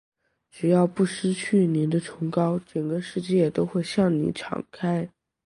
只要不失去你的崇高，整个世界都会向你敞开。